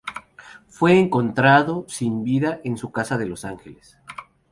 Fue encontrado sin vida en su casa de Los Ángeles.